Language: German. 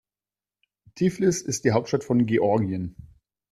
Tiflis ist die Hauptstadt von Georgien.